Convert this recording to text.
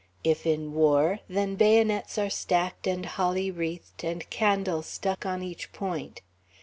If in war, then bayonets are stacked and holly wreathed, and candles stuck on each point!